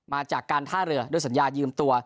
มาจากการท่าเรือด้วยสัญญายืมตัว